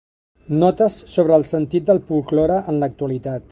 Notes sobre el sentit del folklore en l'actualitat